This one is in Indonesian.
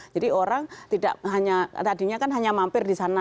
jadi orang tidak hanya tadinya kan hanya mampir di sana